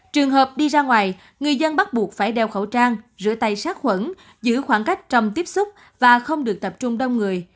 trường hợp đi ra ngoài người dân bắt buộc phải đeo khẩu trang rửa tay sát khuẩn giữ khoảng cách trong tiếp xúc và không được tập trung đông người